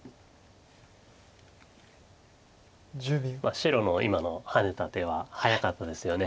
白の今のハネた手は早かったですよね。